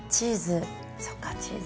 チーズ。